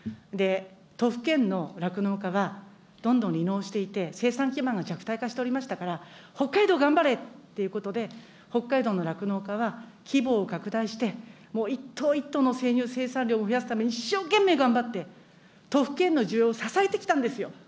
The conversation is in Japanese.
都府県の酪農家がどんどん離農していて、生産基盤が弱体化しておりましたから、北海道頑張れっていうことで、北海道の酪農家が規模を拡大して、一頭一頭の生産量を増やすために一生懸命頑張って、都府県の需要を支えてきたんですよ。